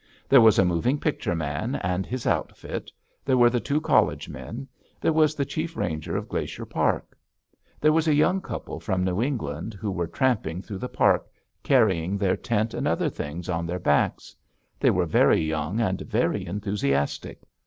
There was a moving picture man and his outfit, there were the two college men, there was the chief ranger of Glacier Park. There was a young couple from New England who were tramping through the park, carrying their tent and other things on their backs. They were very young and very enthusiastic.